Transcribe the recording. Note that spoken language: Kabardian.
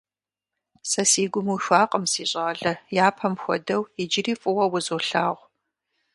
Сэ си гум уихуакъым, си щӀалэ, япэм хуэдэу, иджыри фӀыуэ узолъагъу.